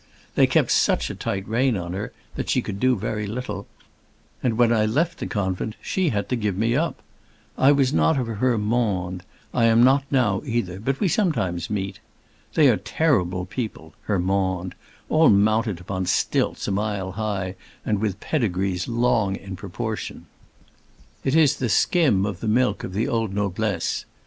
They kept such a tight rein on her that she could do very little, and when I left the convent she had to give me up. I was not of her monde; I am not now, either, but we sometimes meet. They are terrible people—her monde; all mounted upon stilts a mile high, and with pedigrees long in proportion. It is the skim of the milk of the old noblesse.